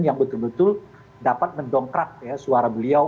yang betul betul dapat mendongkrak suara beliau